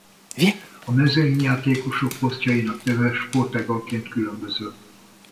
A mezőnyjátékosok posztjainak neve sportáganként különböző.